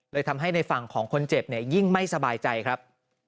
ทำให้ในฝั่งของคนเจ็บเนี่ยยิ่งไม่สบายใจครับ